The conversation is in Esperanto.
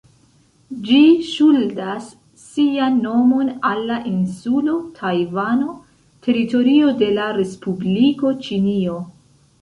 Ĝi ŝuldas sian nomon al la insulo Tajvano, teritorio de la Respubliko Ĉinio.